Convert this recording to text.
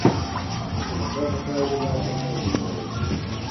ناخوښه پایلې باید له منځه لاړې سي.